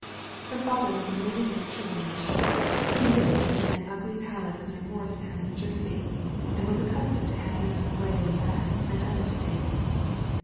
Her father was a millionaire sugar merchant, who lived in an ugly palace near Morristown, New Jer sey, and was accustomed to have his own way in that and other States.